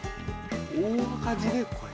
大赤字でこれ？